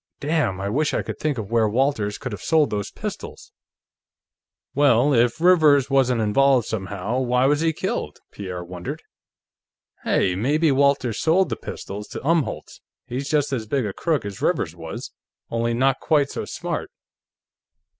Damn, I wish I could think of where Walters could have sold those pistols!" "Well, if Rivers wasn't involved somehow, why was he killed?" Pierre wondered. "Hey! Maybe Walters sold the pistols to Umholtz! He's just as big a crook as Rivers was, only not quite so smart."